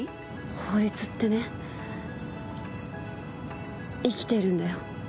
法律ってね生きているんだよ。